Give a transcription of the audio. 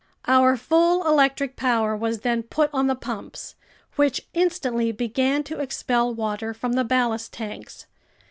Our full electric power was then put on the pumps, which instantly began to expel water from the ballast tanks.